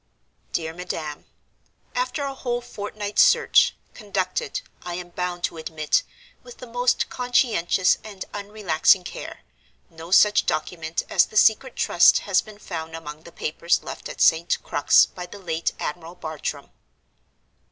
"DEAR MADAM, "After a whole fortnight's search—conducted, I am bound to admit, with the most conscientious and unrelaxing care—no such document as the Secret Trust has been found among the papers left at St. Crux by the late Admiral Bartram.